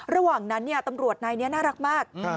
ระหว่างนั้นตำรวจนายนี้น่ารักมาก